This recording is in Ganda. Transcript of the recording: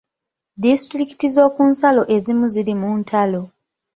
Disitulikiti z'okunsalo ezimu ziri mu ntalo.